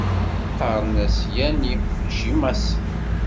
Qqaren-as Yani macci Masi.